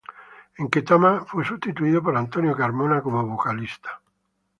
En Ketama fue sustituido por Antonio Carmona como vocalista.